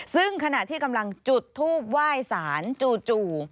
ซึ่งขณะที่กำลังจุดทูบไหว้สารจู่